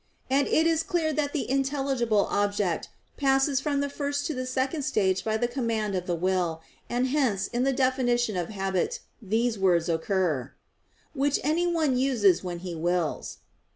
And it is clear that the intelligible object passes from the first to the second stage by the command of the will, and hence in the definition of habit these words occur, "which anyone uses when he wills."